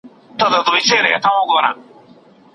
حکومت به د مالونو نرخونه کنټرول کړي.